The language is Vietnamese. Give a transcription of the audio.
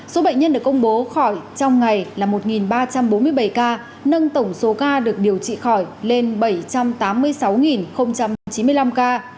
số bệnh nhân được công bố khỏi trong ngày là một ba trăm bốn mươi bảy ca nâng tổng số ca được điều trị khỏi lên bảy trăm tám mươi sáu chín mươi năm ca